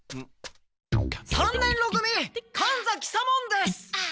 三年ろ組神崎左門です。